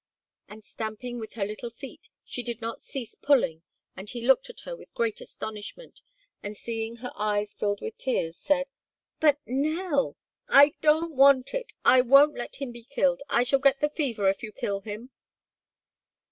And stamping with her little feet, she did not cease pulling him, and he looked at her with great astonishment and, seeing her eyes filled with tears, said: "But, Nell! " "I don't want it. I won't let him be killed! I shall get the fever if you kill him."